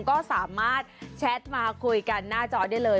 ก็สามารถแชทมาคุยกันหน้าจอได้เลย